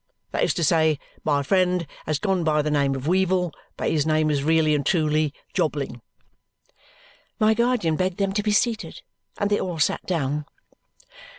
That is to say, my friend has gone by the name of Weevle, but his name is really and truly Jobling." My guardian begged them to be seated, and they all sat down.